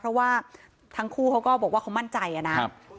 เพราะว่าทั้งคู่เขาก็บอกว่าเขามั่นใจนะครับ